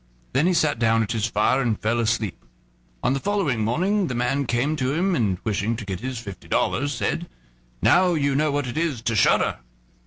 Then he sat down at his fire and fell asleep. On the following morning the man came to him, and, wishing to get his fifty dollars, said: "Now you know what it is to shudder."